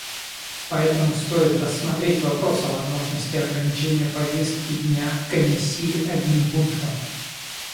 Поэтому стоит рассмотреть вопрос о возможности ограничения повестки дня Комиссии одним пунктом.